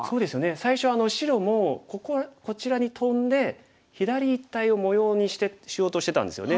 最初は白もこここちらにトンで左一帯を模様にしようとしてたんですよね。